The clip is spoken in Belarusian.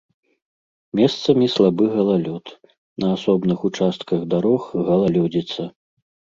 Месцамі слабы галалёд, на асобных участках дарог галалёдзіца.